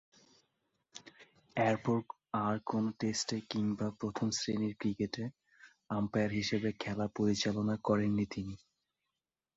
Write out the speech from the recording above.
এরপর আর কোন টেস্টে কিংবা প্রথম-শ্রেণীর ক্রিকেটে আম্পায়ার হিসেবে খেলা পরিচালনা করেননি তিনি।